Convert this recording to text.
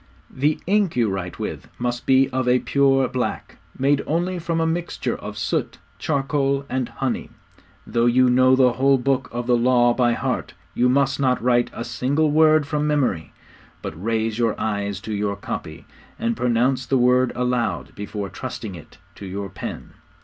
'The ink you write with must be of a pure black, made only from a mixture of soot, charcoal, and honey. Though you know the whole Book of the Law by heart, you must not write a single word from memory, but raise your eyes to your copy, and pronounce the word aloud before trusting it to your pen.